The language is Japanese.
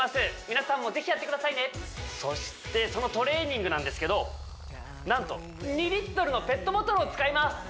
皆さんもぜひやってくださいねそしてそのトレーニングなんですけどなんと２リットルのペットボトルを使います